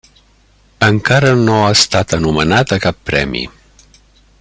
Encara no ha estat anomenat a cap premi.